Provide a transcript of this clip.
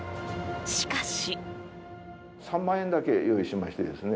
しかし。